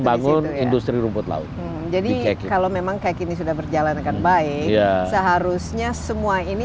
bangun industri rumput laut jadi kalau memang kayak kini sudah berjalan dengan baik seharusnya semua ini